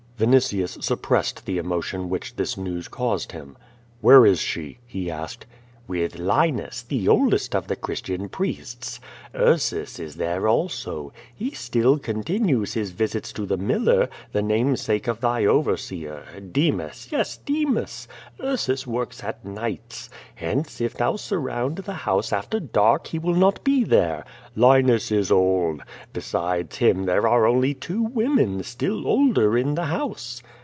Vinitius suppressed the emotion which this news caused him. "WTicre is she?" he asked. "With Linus, the oldest of the Christian priests. Ursus is there also. He still continues his visits to the miller — the namesake of thy overseer. Demas, yes, Demas! Ursus works at nights. Hence, if thou surround tlie house after dark he will not be there. Linus is old. Besides him there are only two women, still older, in the house."